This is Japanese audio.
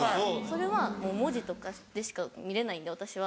それはもう文字とかでしか見れないんで私は。